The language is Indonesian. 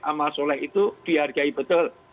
amal soleh itu dihargai betul